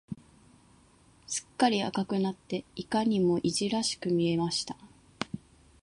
すっかり赤くなって、いかにもいじらしく見えました。